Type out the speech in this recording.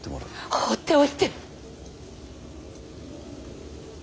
放っておいて！